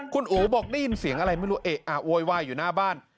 คุณอู๋บอกได้ยินเสียงอะไรไม่รู้เอะอะโวยวายอยู่หน้าบ้าน